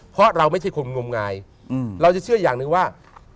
เพราะเราไม่ใช่คนงมงายเราจะเชื่ออย่างหนึ่งว่า